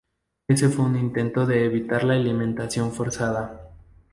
Este fue un intento de evitar la alimentación forzada.